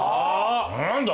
何だ？